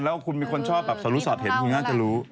แล้วคุณมีคนชอบสะลุสอดเห็นมีคุณง่ายจะรู้